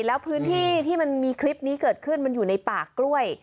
แล้วพื้นที่ที่มันมีคลิปนี้เกิดขึ้นมันอยู่ในป่ากล้วย